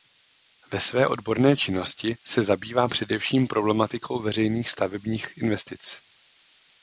Ve své odborné činnosti se zabývá především problematikou veřejných stavebních investic.